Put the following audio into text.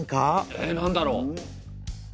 えっなんだろう？